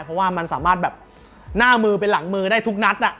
เพราะว่ามันสามารถแบบหน้ามือไปหลังมือได้ทุกนัด